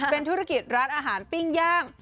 เป็นธุรกิจร้านอาหารปิ้งย่าง